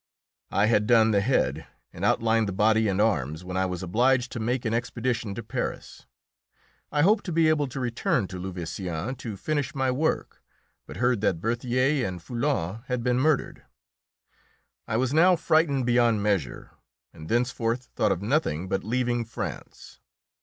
I had done the head, and outlined the body and arms, when I was obliged to make an expedition to Paris. I hoped to be able to return to Louveciennes to finish my work, but heard that Berthier and Foulon had been murdered. I was now frightened beyond measure, and thenceforth thought of nothing but leaving France.